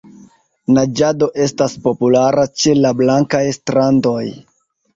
Naĝado estas populara ĉe la blankaj strandoj.